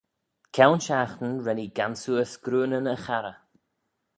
Kione shiaghtin ren ee gansoor screeunyn y charrey.